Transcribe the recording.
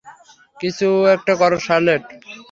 কিছু একটা করো শার্লেট?